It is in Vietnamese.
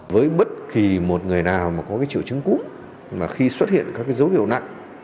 với bất kỳ một người nào mà có triệu chứng cúm khi xuất hiện các dấu hiệu nặng